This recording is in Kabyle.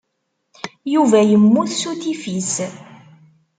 Yuba yemmut s utifis.